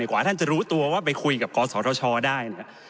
กว่าท่านจะรู้ตัวว่าไปคุยกับกศธชได้เนี่ย